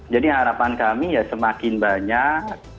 harapan kami ya semakin banyak